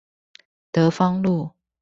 德芳路